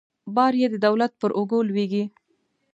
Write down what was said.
بار یې د دولت پر اوږو لویږي.